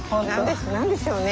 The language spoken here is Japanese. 何でしょうね？